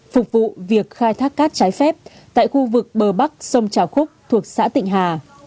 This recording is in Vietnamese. phục vụ việc khai thác cát trái phép tại khu vực bờ bắc sông trà khúc thuộc xã tịnh hà